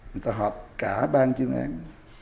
người ta họp cả bang chương án